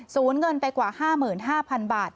เงินไปกว่า๕๕๐๐๐บาท